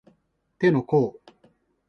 手の甲